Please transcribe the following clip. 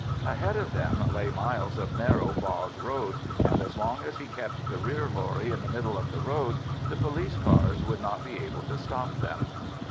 Ahead of them lay miles of narrow bog road, and as long as he kept the rear lorry in the middle of the road, the police cars would not be able to stop them.